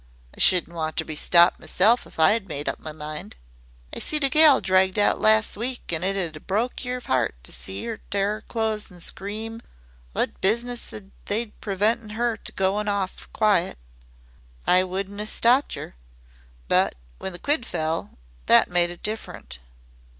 I shouldn't want ter be stopped meself if I made up me mind. I seed a gal dragged out las' week an' it'd a broke yer 'art to see 'er tear 'er clothes an' scream. Wot business 'ad they preventin' 'er goin' off quiet? I wouldn't 'a' stopped yer but w'en the quid fell, that made it different."